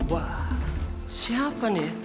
wah siapa nih ya